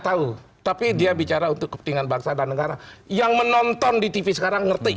tahu tapi dia bicara untuk kepentingan bangsa dan negara yang menonton di tv sekarang ngerti